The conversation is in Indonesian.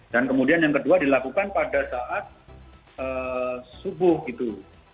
dan kemudian yang kedua dilakukan pada saat subuh gitu